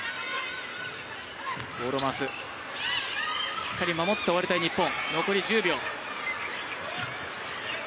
しっかり守って終わりたい日本。